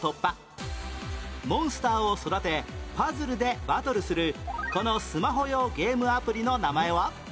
モンスターを育てパズルでバトルするこのスマホ用ゲームアプリの名前は？